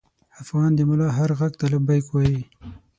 افغان د ملا هر غږ ته لبیک وايي.